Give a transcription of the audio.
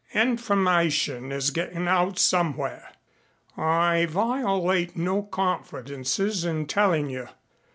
"Information is getting out somewhere. I violate no confidences in telling you.